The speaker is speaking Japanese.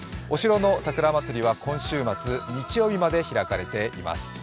お城の桜まつりは今週末日曜日まで開かれています。